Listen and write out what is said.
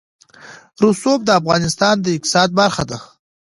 رسوب د افغانستان د اقتصاد برخه ده.